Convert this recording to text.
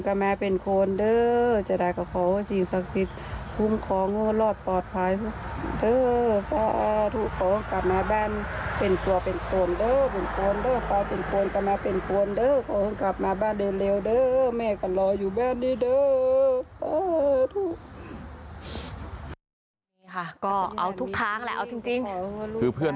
กล้อเป็นคล้อนต่อมาเป็นคล้อน